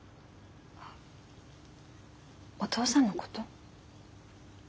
あお父さんのこと？